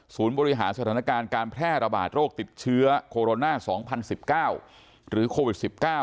บริหารสถานการณ์การแพร่ระบาดโรคติดเชื้อโคโรนา๒๐๑๙หรือโควิด๑๙